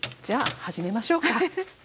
じゃあ始めましょうか。